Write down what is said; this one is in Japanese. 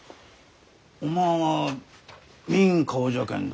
おまんは見ん顔じゃけんど。